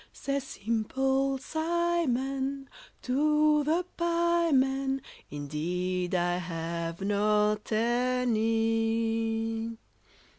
Says Simple Simon to the pieman, "Indeed, I have not any."